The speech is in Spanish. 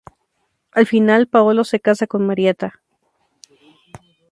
Al final Paolo se casa con Marietta.